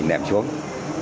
nó có một loạt bom